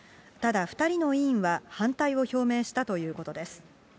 ただ２人の委員は反対を表明したということです。